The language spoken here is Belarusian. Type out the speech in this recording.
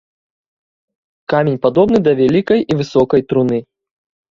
Камень падобны да вялікай і высокай труны.